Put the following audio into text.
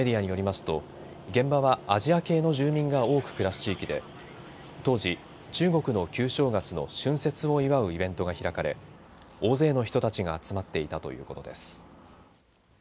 地元メディアによりますと現場はアジア系の住民が多く暮らす地域で当時中国の旧正月の春節を祝うイベントが開かれ大勢の人たちが集まっていたということです。